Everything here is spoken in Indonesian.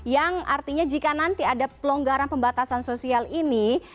yang artinya jika nanti ada pelonggaran pembatasan sosial ini